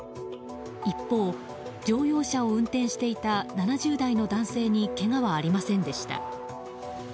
一方、乗用車を運転していた７０代の男性にけがはありませんでした。